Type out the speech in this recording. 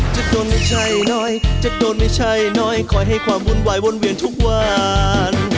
จะโดนไม่ใช่น้อยจะโดนไม่ใช่น้อยคอยให้ความวุ่นวายวนเวียนทุกวัน